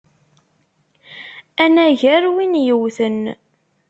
Anagar win yewten!